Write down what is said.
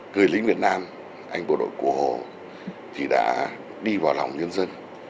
người lính việt nam anh bộ đội cổ hồ thì đã đi vào lòng nhân dân